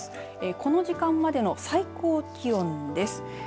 この時間までの最高気温です。